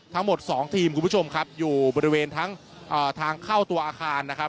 ทั้งหมดสองทีมคุณผู้ชมครับอยู่บริเวณทั้งทางเข้าตัวอาคารนะครับ